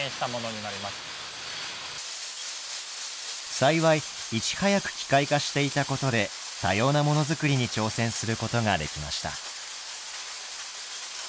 幸いいち早く機械化していたことで多様なモノ作りに挑戦することができました。